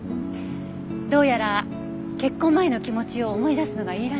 どうやら結婚前の気持ちを思い出すのがいいらしいのよ。